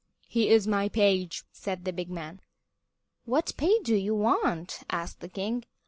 "He is my page," said the big man. "What pay do you want?" asked the king.